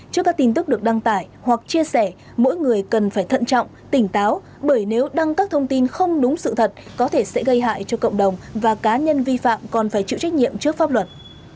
trước các tin tức được đăng tải hoặc chia sẻ mỗi người cần phải thận trọng tỉnh táo bởi nếu đăng các thông tin không đúng sự thật có thể sẽ gây hại cho cộng đồng và cá nhân vi phạm còn phải chịu trách nhiệm trước pháp luật